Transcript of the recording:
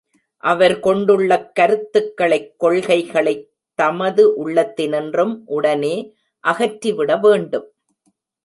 அவர் கொண்டுள்ளக் கருத்துக்களைக், கொள்கைகளைத் தமது உள்ளத்தினின்றும் உடனே அகற்றி விட வேண்டும்!